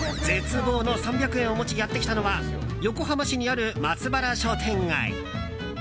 絶望の３００円を持ちやってきたのは横浜市にある松原商店街。